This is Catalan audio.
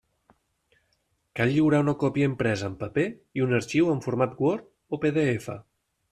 Cal lliurar una còpia impresa en paper i un arxiu en format Word o PDF.